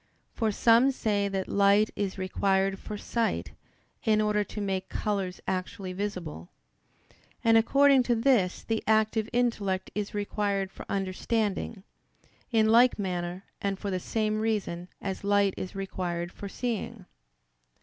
For some say that light is required for sight, in order to make colors actually visible. And according to this the active intellect is required for understanding, in like manner and for the same reason as light is required for seeing.